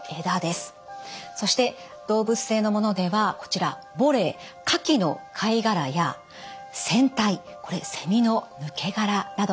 そして動物性のものではこちら牡蛎カキの貝殻や蝉退これセミの抜け殻などがあります。